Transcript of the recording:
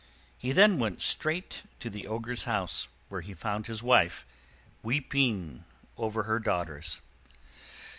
He then went straight to the Ogre's house, where he found his wife weeping over her daughters.